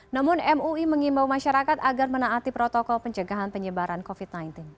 namun mui mengimbau masyarakat agar menaati protokol pencegahan penyebaran covid sembilan belas